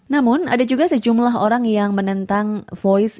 namun ada juga sejumlah orang yang menentang voice